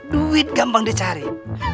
duit gampang dicari